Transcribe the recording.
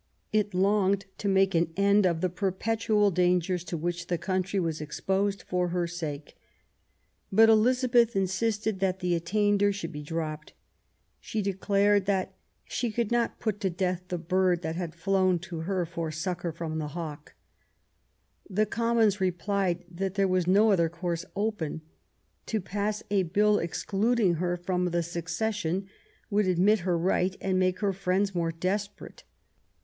It longed to make an end of the perpetual dangers to vsrhich the country was exposed for her sake. But Elizabeth insisted that the attainder should be dropped. She declared that she could not put to death the bird that had flown to her for succour from the hawk ", Xhe Commons replied that there was 10 146 QUEEN ELIZABETH. no other course open ; to pass a bill excluding her from the succession would admit her right and make her friends more desperate.